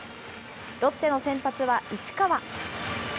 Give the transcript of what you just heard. ロッテの先発は石川。